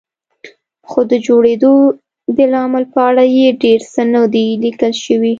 خو د جوړېدو د لامل په اړه یې ډېر څه نه دي لیکل شوي.